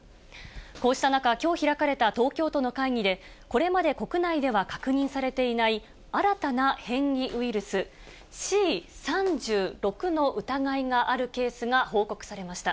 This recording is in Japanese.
こうした中、きょう開かれた東京都の会議で、これまで国内では確認されていない新たな変異ウイルス、Ｃ．３６の疑いがあるケースが報告されました。